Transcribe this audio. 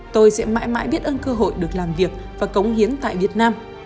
tôi sẽ mãi mãi biết ơn cơ hội được làm việc và cống hiến tại việt nam